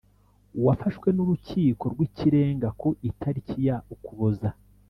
wafashwe n Urukiko rw Ikirenga ku itariki ya Ukuboza